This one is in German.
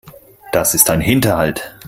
Das ist ein Hinterhalt.